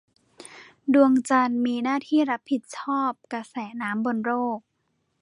ดวงจันทร์มีหน้าที่รับผิดชอบกระแสน้ำบนโลก